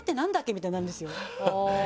みたいになるんですよ。